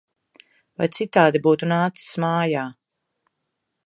Vai citādi būtu nācis mājā!